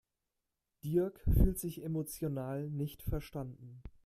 Dirk fühlt sich emotional nicht verstanden.